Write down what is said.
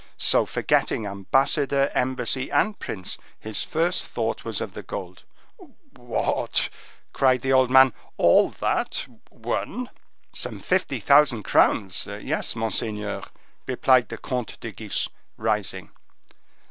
So forgetting ambassador, embassy and prince, his first thought was of the gold. "What!" cried the old man—"all that—won?" "Some fifty thousand crowns; yes, monseigneur," replied the Comte de Guiche, rising.